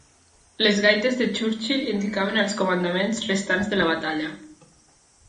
Les gaites de Churchill indicaven els comandaments restants de la batalla.